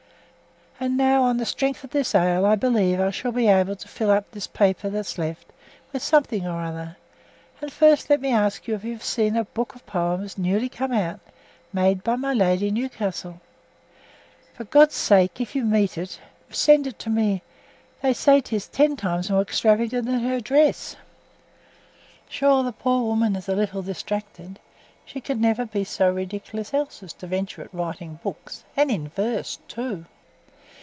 And now on the strength of this ale, I believe I shall be able to fill up this paper that's left with something or other; and first let me ask you if you have seen a book of poems newly come out, made by my Lady Newcastle? For God's sake if you meet with it send it to me; they say 'tis ten times more extravagant than her dress. Sure, the poor woman is a little distracted, she could never be so ridiculous else as to venture at writing books, and in verse too.